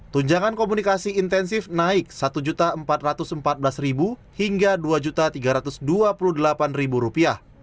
tunjangan komunikasi intensif naik rp satu empat ratus empat belas hingga rp dua tiga ratus dua puluh delapan